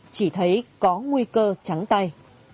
chỉ thấy có nguy cơ trắng tay